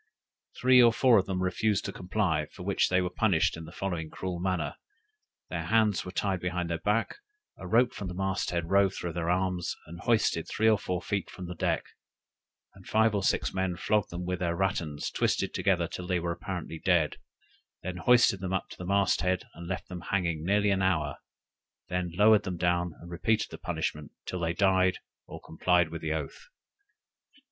Three or four of them refused to comply, for which they were punished in the following cruel manner: their hands were tied behind their backs, a rope from the masthead rove through their arms, and hoisted three or four feet from the deck, and five or six men flogged them with their rattans twisted together till they were apparently dead; then hoisted them up to the mast head, and left them hanging nearly an hour, then lowered them down, and repeated the punishment, till they died or complied with the oath.